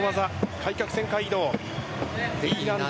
開脚旋回移動。